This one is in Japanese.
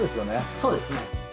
そうですね。